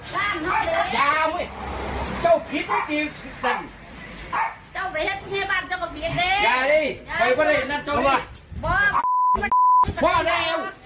พอแล้วเพื่อนพอแล้วแล้ว